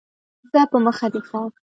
ځه په مخه دي ښه !